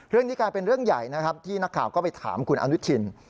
เรื่องนี้กลายเป็นเรื่องใหญ่นะครับที่นักข่าวก็ไปถามคุณอนุทิน